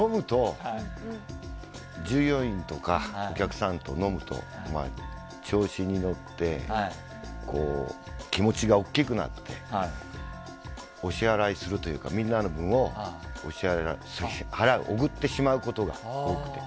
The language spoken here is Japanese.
従業員とかお客さんと飲むと調子に乗って気持ちが大きくなってお支払いするというかみんなの分をおごってしまうことが多くて。